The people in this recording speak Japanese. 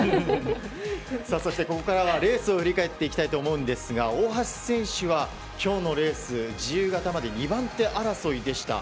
そして、ここからはレースを振り返っていきたいと思うんですが大橋選手は、今日のレース自由形まで２番手争いでした。